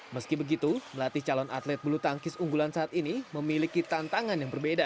meski begitu melatih calon atlet bulu tangkis unggulan saat ini memiliki tantangan yang berbeda